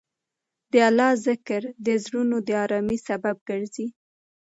د الله ذکر د زړونو د ارامۍ سبب ګرځي.